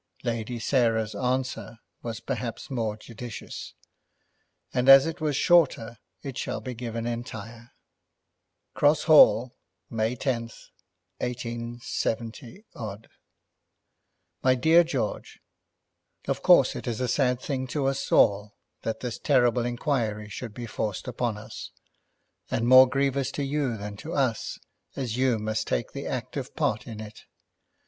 Lady Sarah's answer was perhaps more judicious; and as it was shorter it shall be given entire. "Cross Hall, May 10, 187 . "MY DEAR GEORGE, Of course it is a sad thing to us all that this terrible inquiry should be forced upon us; and more grievous to you than to us, as you must take the active part in it.